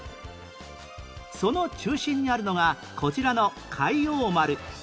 その中心にあるのがこちらの海王丸